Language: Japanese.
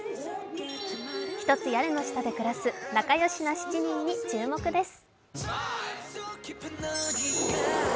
１つ屋根の下で暮らす仲よしな７人に注目です。